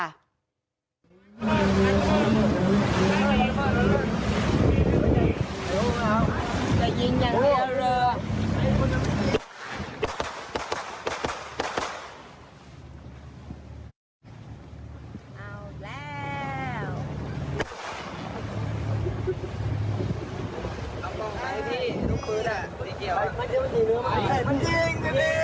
เจมส์โดนยิง